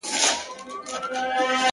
• خپل مېړه يې خواږه خوب لره بلا سوه -